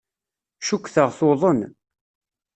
Cukkteɣ tuḍen.